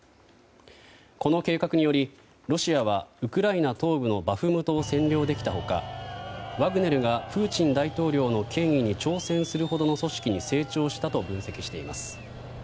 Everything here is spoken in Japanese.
この計画によりロシアはウクライナ東部のバフムトを占領できた他、ワグネルがプーチン大統領の権威に挑戦するほどの組織に成長したと分析しています。